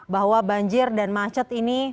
bahwa banjir dan macet ini